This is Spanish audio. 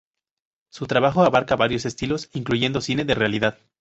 Su trabajo abarca varios estilos, incluyendo cine de realidad.